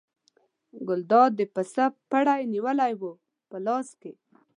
ګلداد د پسه پړی نیولی و په لاس کې.